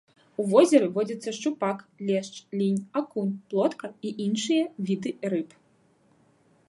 У возеры водзяцца шчупак, лешч, лінь, акунь, плотка і іншыя віды рыб.